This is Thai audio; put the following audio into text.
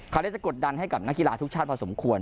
เขาได้จะกดดันให้กับนักกีฬาทุกชาติพอสมควร